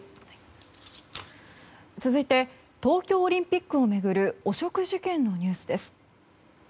続いて東京オリンピックを巡る汚職事件のニュースです。